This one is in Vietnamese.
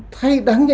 thay đáng nhẽ